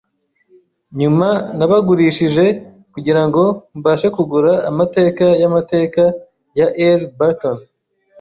Nyuma nabagurishije kugirango mbashe kugura Amateka Yamateka ya R. Burton.